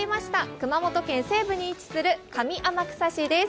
熊本県西部に位置する上天草市です。